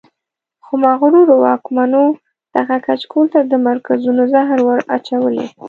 خو مغرورو واکمنو دغه کچکول ته د مرګونو زهر ور اچولي.